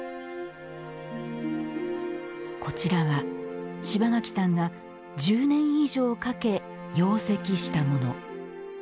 こちらは柴垣さんが１０年以上かけ養石したもの。